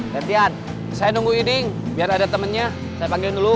lepian saya nunggu yiding biar ada temennya saya panggilin dulu